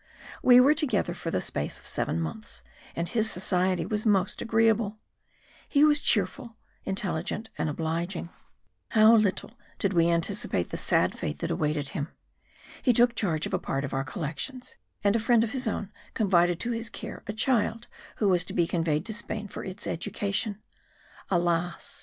We were together for the space of seven months, and his society was most agreeable: he was cheerful, intelligent and obliging. How little did we anticipate the sad fate that awaited him. He took charge of a part of our collections; and a friend of his own confided to his care a child who was to be conveyed to Spain for its education. Alas!